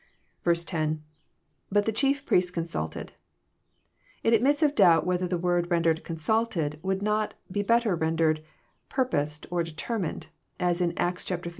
10,— IBtU the chief priests consulted,'] It admits of doubt whether the word rendered consulted " would not be better rendered " purposed or " determined," as in Acts xv.